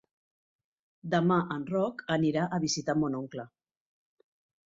Demà en Roc anirà a visitar mon oncle.